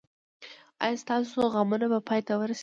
ایا ستاسو غمونه به پای ته ورسیږي؟